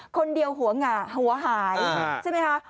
คนเดียวหัวหายใช่ไหมคะ